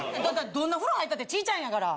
どんな風呂入ったって小ちゃいんやから。